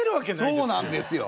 そうなんですよ。